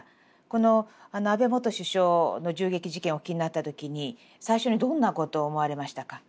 この安倍元首相の銃撃事件をお聞きになった時に最初にどんなことを思われましたか？